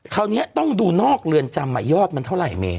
คราวนี้ต้องดูนอกเรือนจำยอดมันเท่าไหร่เมย